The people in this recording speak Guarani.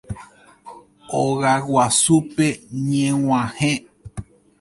Ogaguasúpe ñeg̃uahẽ